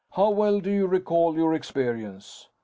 How well do you recall your experience?"